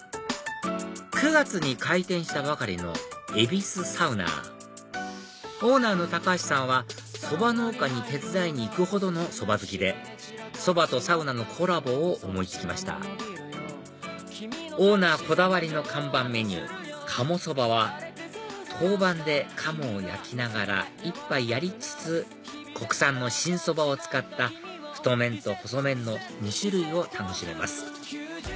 ９月に開店したばかりの恵比寿サウナーオーナーの高橋さんはそば農家に手伝いに行くほどのそば好きでそばとサウナのコラボを思い付きましたオーナーこだわりの看板メニュー鴨そばは陶板で鴨を焼きながら一杯やりつつ国産の新そばを使った太麺と細麺の２種類を楽しめます